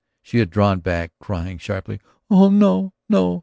She had drawn back, crying sharply: "No, no!"